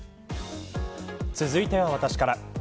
続いては私から。